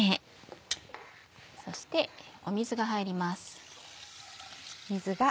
そして水が入ります。